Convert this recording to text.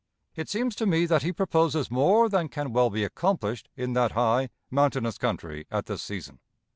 It seems to me that he proposes more than can well be accomplished in that high, mountainous country at this season.